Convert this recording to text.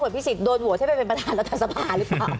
ขวดพิษศิษย์โดนโหวตใช่ไหมเป็นประธานรัฐสภาหรือเปล่า